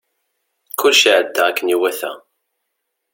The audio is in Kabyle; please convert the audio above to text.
Kullec iɛedda akken iwata.